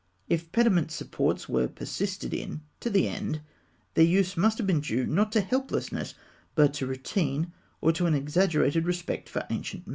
If pediment supports were persisted in to the end, their use must have been due, not to helplessness, but to routine, or to an exaggerated respect for ancient method.